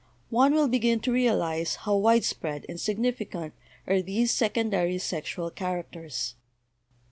one will begin to realize how widespread and significant are these secondary sexual characters.